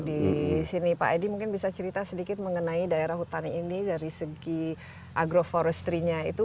di sini pak edi mungkin bisa cerita sedikit mengenai daerah hutan ini dari segi agroforestry nya itu